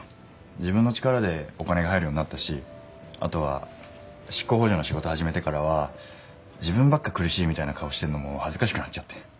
自分の力でお金が入るようになったしあとは執行補助の仕事始めてからは自分ばっか苦しいみたいな顔してるのも恥ずかしくなっちゃって。